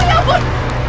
oh ya ampun